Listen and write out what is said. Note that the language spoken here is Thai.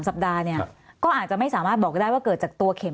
สัปดาห์เนี่ยก็อาจจะไม่สามารถบอกได้ว่าเกิดจากตัวเข็ม